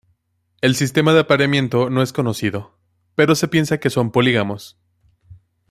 El sistema de apareamiento no es conocido, pero se piensa que son polígamos.